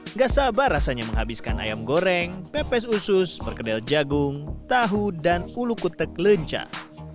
nggak sabar rasanya menghabiskan ayam goreng pepes usus perkedel jagung tahu dan ulu kutek lencah